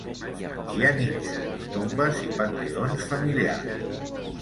Hi ha nínxols, tombes i panteons familiars.